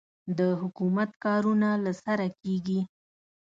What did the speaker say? د حکومت کارونه له سره کېږي.